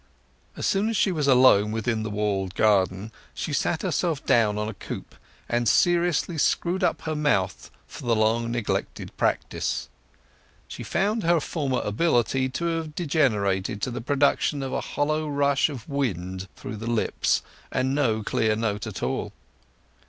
As soon as she was alone within the walled garden she sat herself down on a coop, and seriously screwed up her mouth for the long neglected practice. She found her former ability to have degenerated to the production of a hollow rush of wind through the lips, and no clear note at all.